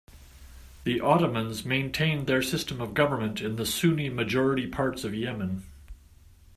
The Ottomans maintained their system of government in the Sunni-majority parts of Yemen.